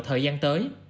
thời gian tới